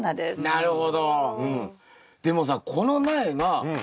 なるほど。